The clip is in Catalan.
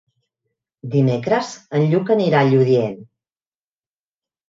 Dimecres en Lluc anirà a Lludient.